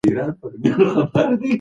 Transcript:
بریا ته رسېدل یو اوږد سفر دی.